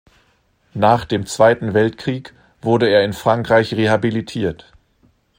Nach dem Zweiten Weltkrieg wurde er in Frankreich rehabilitiert.